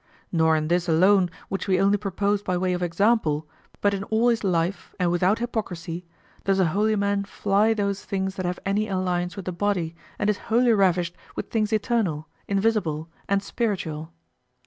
Nor in this alone, which we only proposed by way of example, but in all his life, and without hypocrisy, does a holy man fly those things that have any alliance with the body and is wholly ravished with things eternal, invisible, and spiritual.